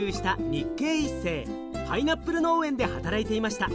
パイナップル農園で働いていました。